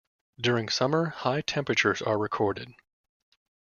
During summer, high temperatures are recorded.